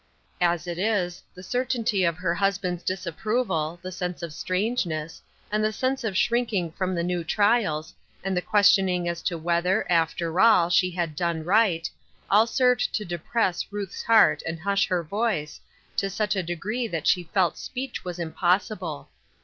As it was, the certainty of her husband's disapproval, the sense of strange ness, and the sense of shrinking from the new trials, and the questioning as to whether, after aU, she had done right, all served to depress Ruth's heart and hush her voice, to such a degree that she felt speech was impossible.